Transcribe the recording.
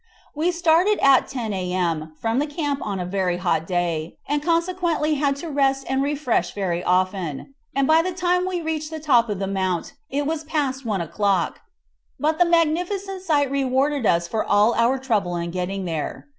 We started at 10 a.m. from the camp on a very hot day, and consequently had to rest and refresh very often, and by the time we reached the top of the mount it was past one o'clock; but the magnificent sight rewarded us for all our trouble in getting there.